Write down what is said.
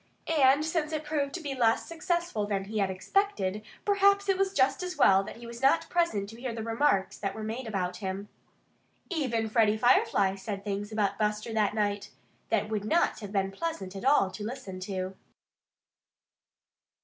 And since it proved to be less successful than he had expected, perhaps it was just as well that he was not present to hear the remarks that were made about him. Even Freddie Firefly said things about Buster that night that would not have been at all pleasant to listen to.